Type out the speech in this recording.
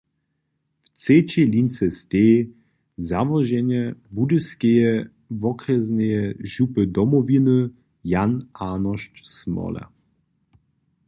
W třećej lince steji: Załoženje Budyskeje wokrjesneje župy Domowiny „Jan Arnošt Smoler“.